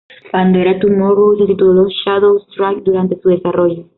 Pandora Tomorrow se tituló Shadow Strike durante su desarrollo.